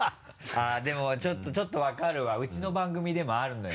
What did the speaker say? あぁでもちょっと分かるわうちの番組でもあるのよ。